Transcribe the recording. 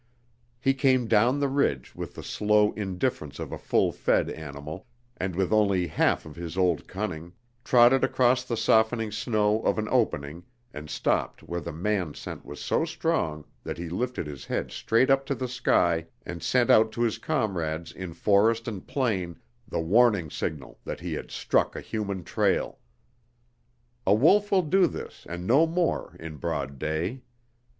He came down the ridge with the slow indifference of a full fed animal, and with only a half of his old cunning; trotted across the softening snow of an opening and stopped where the man scent was so strong that he lifted his head straight up to the sky and sent out to his comrades in forest and plain the warning signal that he had struck a human trail. A wolf will do this, and no more, in broad day.